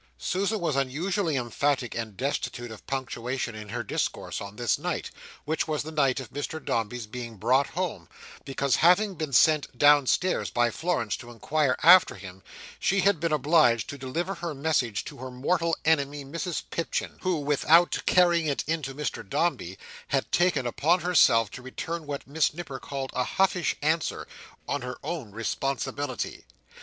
Susan was unusually emphatic and destitute of punctuation in her discourse on this night, which was the night of Mr Dombey's being brought home, because, having been sent downstairs by Florence to inquire after him, she had been obliged to deliver her message to her mortal enemy Mrs Pipchin; who, without carrying it in to Mr Dombey, had taken upon herself to return what Miss Nipper called a huffish answer, on her own responsibility.